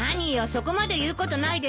そこまで言うことないでしょ。